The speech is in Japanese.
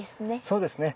そうですね。